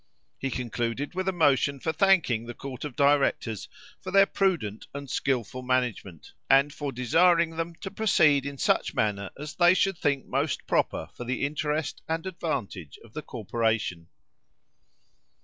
He concluded with a motion for thanking the court of directors for their prudent and skilful management, and for desiring them to proceed in such manner as they should think most proper for the interest and advantage of the corporation.